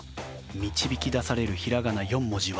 導き出されるひらがな４文字は？